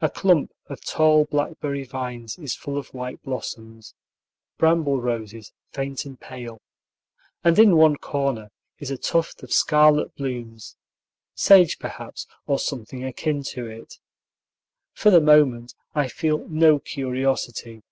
A clump of tall blackberry vines is full of white blossoms, "bramble roses faint and pale," and in one corner is a tuft of scarlet blooms, sage, perhaps, or something akin to it. For the moment I feel no curiosity.